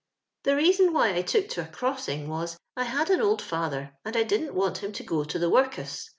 " The reason why I took to a crossing was, I had an old father and I didn't want him to go to tho workus.